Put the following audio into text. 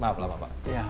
maaf lah bapak